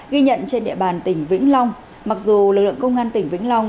ghi nhận trên địa bàn tỉnh vĩnh long mặc dù lực lượng công an tỉnh vĩnh long